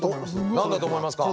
何だと思いますか？